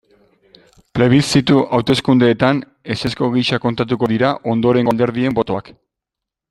Plebiszitu hauteskundeetan ezezko gisa kontatuko dira ondorengo alderdien botoak.